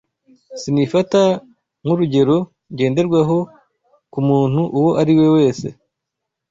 Sinifata nk’urugero ngenderwaho ku muntu uwo ariwe wese